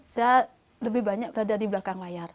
saya lebih banyak berada di belakang layar